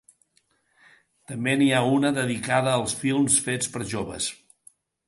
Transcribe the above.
També n’hi ha una dedicada als films fets per joves.